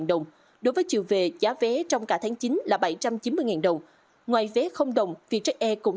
đồng đối với chiều về giá vé trong cả tháng chín là bảy trăm chín mươi đồng ngoài vé đồng vietjet air cũng